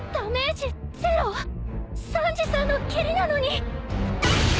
サンジさんの蹴りなのに。